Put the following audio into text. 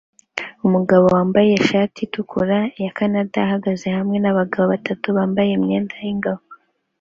umugabo wambaye ishati itukura ya canada ihagaze hamwe nabagabo batatu bambaye imyenda yingabo